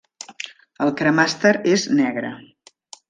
El cremàster és negre.